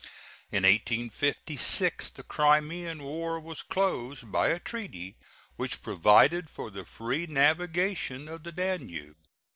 In 1856 the Crimean War was closed by a treaty which provided for the free navigation of the Danube.